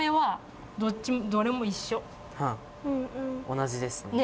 同じですね。